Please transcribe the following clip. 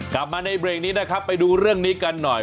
กลับมาในเบรกนี้นะครับไปดูเรื่องนี้กันหน่อย